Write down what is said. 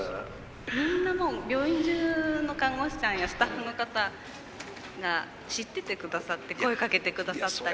みんなもう病院中の看護師さんやスタッフの方が知っててくださって声かけてくださったり。